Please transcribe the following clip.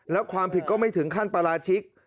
แล้วความผิดก็ไม่ถึงขั้นปราชิก